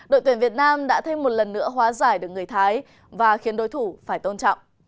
đội tuyển việt nam đã thêm một lần nữa hóa giải được người thái và khiến đối thủ phải tôn trọng